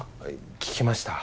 聞きました